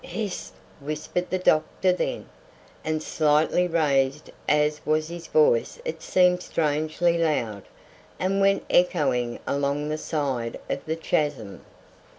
"Hist!" whispered the doctor then, and slightly raised as was his voice it seemed strangely loud, and went echoing along the side of the chasm.